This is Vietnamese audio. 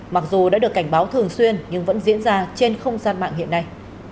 mặc dù đã được cảnh báo thường xuyên nhưng vẫn diễn ra trên không gian mạng hiện nay